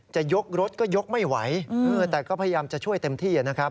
จะยกรถก็ยกไม่ไหวแต่ก็พยายามจะช่วยเต็มที่นะครับ